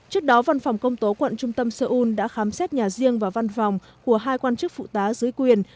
trước đó văn phòng công tố quận trung tâm seoul đã khám xét nhà riêng và văn phòng của hai quan chức phụ tá dưới quyền